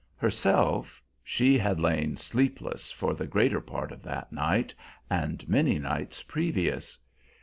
Herself she had lain sleepless for the greater part of that night and many nights previous.